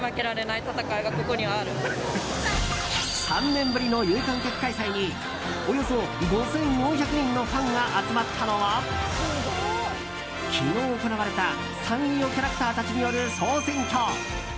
３年ぶりの有観客開催におよそ５４００人のファンが集まったのは昨日行われたサンリオキャラクターたちによる総選挙